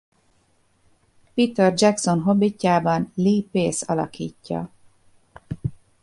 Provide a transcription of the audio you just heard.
Peter Jackson Hobbitjában Lee Pace alakítja.